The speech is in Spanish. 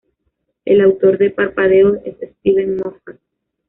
El autor de "Parpadeo" es Steven Moffat.